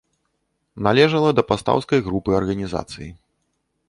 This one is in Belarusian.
Належала да пастаўскай групы арганізацыі.